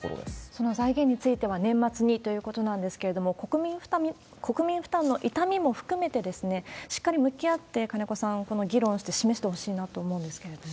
その財源については年末にということなんですけれども、国民負担の痛みも含めて、しっかり向き合って、金子さん、この議論して示してほしいなと思うんですけれども。